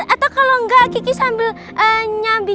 atau kalau enggak kiki sambil nyambi